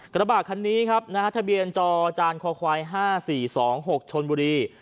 กระบะคันนี้ครับนะฮะทะเบียนจอจานคอควาย๕๔๒๖ชนบุรี